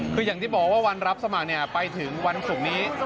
คืออย่างที่บอกว่าวันรับสมัครไปถึงวันศุกร์นี้